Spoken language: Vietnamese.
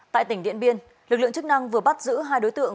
tại tỉnh điện biên lực lượng chức năng vừa bắt giữ hai đối tượng